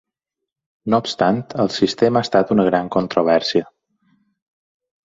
No obstant el sistema ha estat una gran controvèrsia.